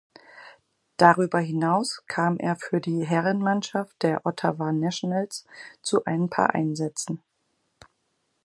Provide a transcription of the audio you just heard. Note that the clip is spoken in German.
Darüber hinaus kam er für die Herrenmannschaft der "Ottawa Nationals" zu ein paar Einsätzen.